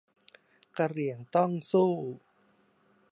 กะเหรี่ยงต้องสู้